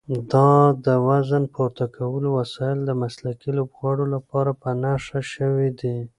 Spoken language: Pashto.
دا د وزن پورته کولو وسایل د مسلکي لوبغاړو لپاره په نښه شوي دي.